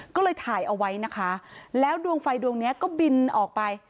ก็เลยถ่ายเอาไว้นะคะแล้วดวงไฟดวงนี้ก็บินออกไป